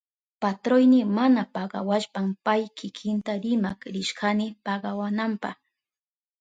Patroyni mana pagawashpan pay kikinta rimak rishkani pagawananpa.